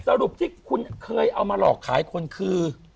สรุปที่คุณเคยเอามาหลอกขายคนคือ